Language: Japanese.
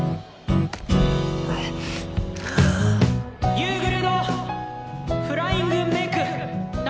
夕暮れのフライングめく夏灯。